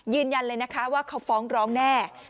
ยืนยันเลยนะคะว่าเขาฟ้องร้องแน่